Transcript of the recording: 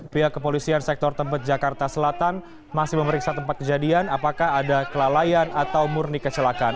pihak kepolisian sektor tempat jakarta selatan masih memeriksa tempat kejadian apakah ada kelalaian atau murni kecelakaan